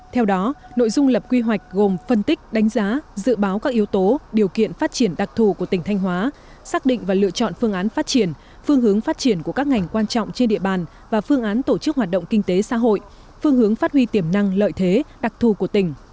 theo đó nội dung lập quy hoạch gồm phân tích đánh giá dự báo các yếu tố điều kiện phát triển đặc thù của tỉnh thanh hóa xác định và lựa chọn phương án phát triển phương hướng phát triển của các ngành quan trọng trên địa bàn và phương án tổ chức hoạt động kinh tế xã hội phương hướng phát huy tiềm năng lợi thế đặc thù của tỉnh